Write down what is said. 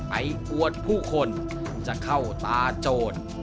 ไปปวดผู้คนจะเข้าตาโจทย์